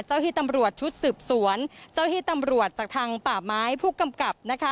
เจ้าฮีตำรวจชุดสืบสวนเจ้าฮีตำรวจจากทางป่าไม้ผู้กำกับ